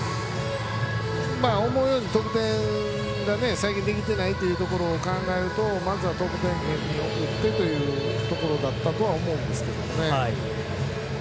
思うように得点ができていないというところ考えれば得点圏に送ってということだったと思うんですが。